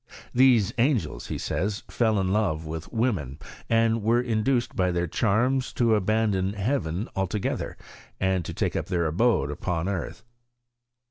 These angels, he says, fell in love with women, and were induced by their charms to abandon heaven altogether, and take up their abode upon earth.